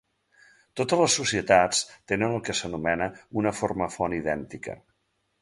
Totes les societats tenen el que s'anomena una forma font idèntica.